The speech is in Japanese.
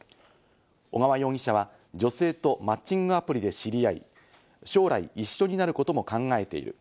小川容疑者は女性とマッチングアプリで知り合い、将来一緒になることも考えている。